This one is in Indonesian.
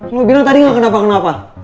lo bilang tadi gak kenapa kenapa